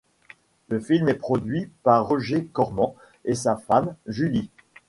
Le film est produit par Roger Corman et sa femme, Julie.